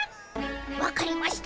分かりました。